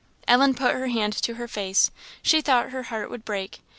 Ellen put her hand to her face; she thought her heart would break.